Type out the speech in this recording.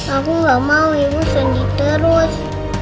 aku gak mau ibu sendi terus